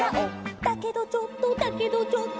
「だけどちょっとだけどちょっと」